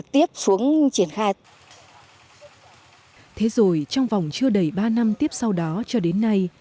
thế rồi trong vòng chưa đầy ba năm tiếp sau đó cho đến nay